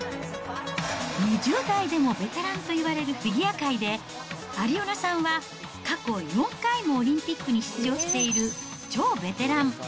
２０代でもベテランと言われるフィギュア界で、アリオナさんは、過去４回もオリンピックに出場している超ベテラン。